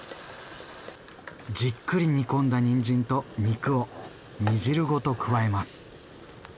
じっくり煮込んだにんじんと肉を煮汁ごと加えます。